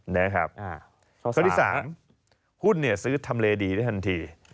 นะครับเพราะที่สามหุ้นเนี่ยซื้อทำเลดีได้ทันที